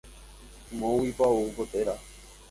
Moõguipa ou ko téra.